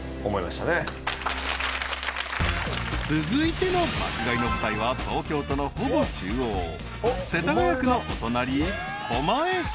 ［続いての爆買いの舞台は東京都のほぼ中央世田谷区のお隣］